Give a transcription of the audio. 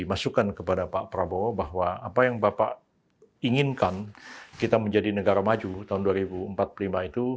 masukan kepada pak prabowo bahwa apa yang bapak inginkan kita menjadi negara maju tahun dua ribu empat puluh lima itu